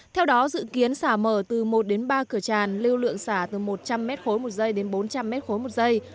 theo đó dự kiến xả mở từ một đến ba cửa tràn lưu lượng xả từ một trăm linh mét khối một giây đến bốn trăm linh mét khối một giây